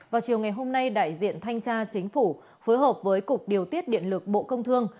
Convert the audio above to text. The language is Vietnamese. vào chiều ngày hôm nay đại diện thanh tra chính phủ phối hợp với cục điều tiết điện lực bộ công thương